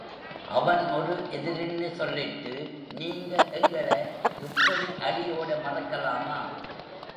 அவன் ஒரு எதிரின்னு சொல்லிட்டு நீங்க எங்களெ இப்படி அடியோட மறக்கலாமா?